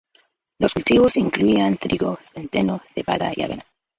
Los cultivos incluían trigo, centeno, cebada y avena.